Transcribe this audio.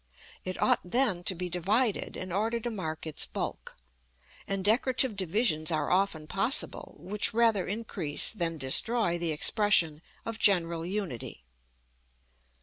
It ought then to be divided in order to mark its bulk; and decorative divisions are often possible, which rather increase than destroy the expression of general unity.